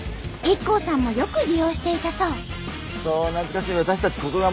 ＩＫＫＯさんもよく利用していたそう。